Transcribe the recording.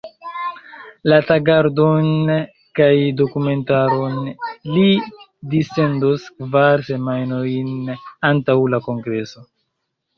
La tagordon kaj dokumentaron li dissendos kvar semajnojn antaŭ la kongreso.